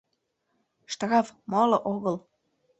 Штраф — моло огыл.